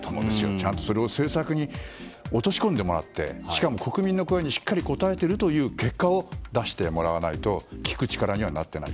ちゃんと、それを政策に落とし込んでもらってしかも国民の声にしっかり応えているという結果を出してもらわないと聞く力にはなっていない。